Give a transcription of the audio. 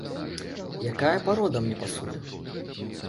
Якая парода мне пасуе?